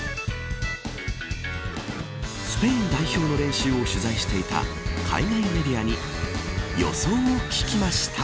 スペイン代表の練習を取材していた海外メディアに予想を聞きました。